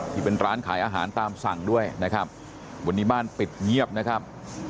ที่เป็นร้านขายอาหารตามสั่งด้วยนะครับวันนี้บ้านปิดเงียบนะครับ